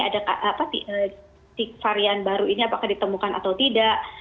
ada varian baru ini apakah ditemukan atau tidak